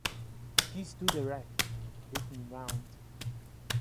He stood erect, looking round.